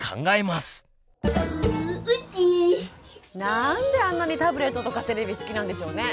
何であんなにタブレットとかテレビ好きなんでしょうね？